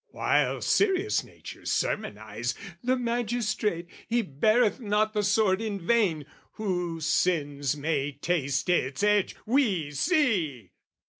while serious natures sermonise "The magistrate, he beareth not the sword "In vain; who sins may taste its edge, we see!"